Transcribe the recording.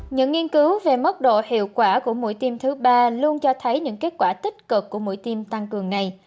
những nghiên cứu về mức độ hiệu quả của mũi tim thứ ba luôn cho thấy những kết quả tích cực của mũi tim tăng cường này